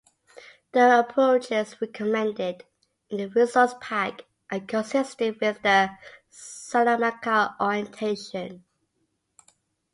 The approaches recommended in the resource pack are consistent with the Salamanca orientation.